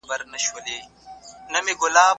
زما افغان ضمير له کاڼو جوړ گلې